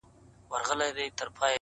• خو ما د لاس په دسمال ووهي ويده سمه زه،